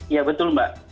ya betul mbak